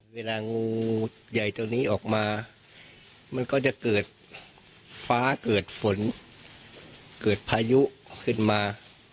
เวลางูใหญ่ตัวนี้ออกมามันก็จะเกิดฟ้าเกิดฝนเกิดพายุขึ้นมา